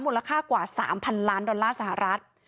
มูลค่ากว่า๓๐๐๐ล้านดอลลาร์สหรัฐ